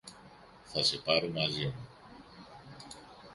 Θα σε πάρω μαζί μου.